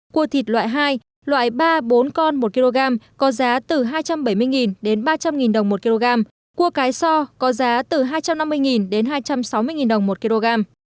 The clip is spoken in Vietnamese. cua thịt loại hai loại ba bốn con một kg có giá từ hai trăm bảy mươi đồng một kg